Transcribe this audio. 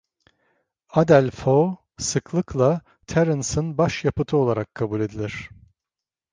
"Adelphoe" sıklıkla Terence'ın başyapıtı olarak kabul edilir.